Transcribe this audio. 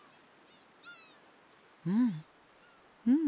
うん。